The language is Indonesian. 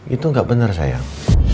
itu gak bener sayang